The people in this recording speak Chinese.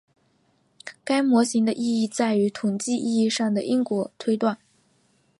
该模型的意义在于统计意义上的因果推断。